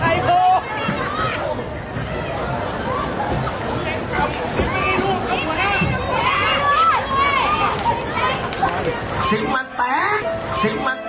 ไอ้ลูกทิ้ง